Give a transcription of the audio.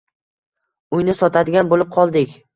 Uyni sotadigan bo`lib qoldik